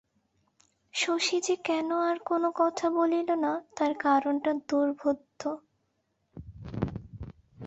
শশী যে কেন আর কোনো কথা বলিল না তার কারণটা দুর্বোধ্য।